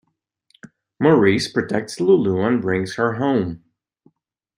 Maurice protects Lulu and brings her home.